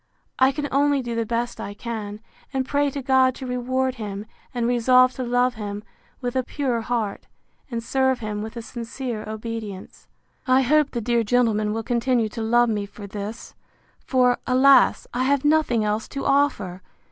I can only do the best I can; and pray to God to reward him; and resolve to love him with a pure heart, and serve him with a sincere obedience. I hope the dear gentleman will continue to love me for this; for, alas! I have nothing else to offer!